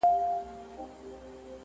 o هر څوک په خپل نامه ها کوي.